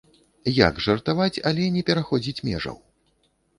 Як жартаваць, але не пераходзіць межаў?